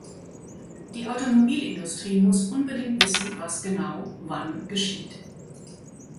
Die Automobilindustrie muss unbedingt wissen, was genau wann geschieht.